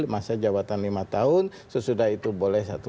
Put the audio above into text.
masa jabatan lima tahun sesudah itu boleh satu